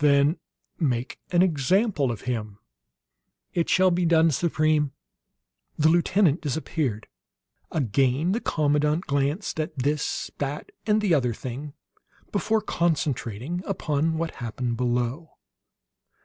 Then make an example of him!" "It shall be done, Supreme!" The lieutenant disappeared. Again the commandant glanced at this, that, and the other thing before concentrating upon what happened below.